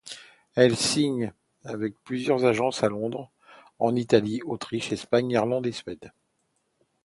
Elle signe avec plusieurs agences à Londres, en Italie, Autriche, Espagne, Irlande, et Suède.